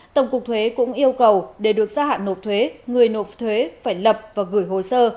tổng cục thuế cũng yêu cầu để được gia hạn nộp thuế người nộp thuế phải lập và gửi hồ sơ